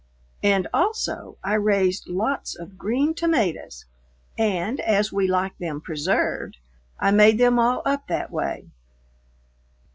And also I raised lots of green tomatoes, and, as we like them preserved, I made them all up that way.